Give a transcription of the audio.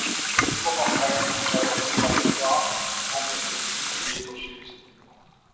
Wenn immer noch keine Entscheidung gefallen war, kam es zum Sieben-Meter-Schießen.